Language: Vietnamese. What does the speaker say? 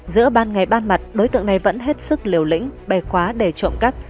giữa ban ngày ban mặt đối tượng này vẫn hết sức liều lĩnh bẻ khóa để trộm cắp